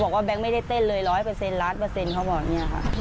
บอกว่าแบงค์ไม่ได้เต้นเลยร้อยเปอร์เซ็นต์ล้านเปอร์เซ็นต์เขาบอกอย่างเนี่ยครับ